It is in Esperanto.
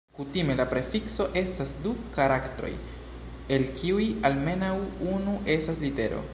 Kutime la prefikso estas du karaktroj el kiuj almenaŭ unu estas litero.